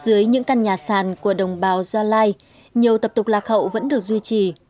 dưới những căn nhà sàn của đồng bào gia lai nhiều tập tục lạc hậu vẫn được duy trì